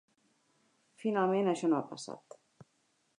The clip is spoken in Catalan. Finalment això no ha passat.